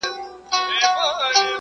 زما د سر امان دي وي لویه واکمنه ..